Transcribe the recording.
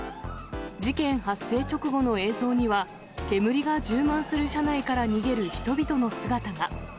事件発生直後の映像には、煙が充満する車内から逃げる人々の姿が。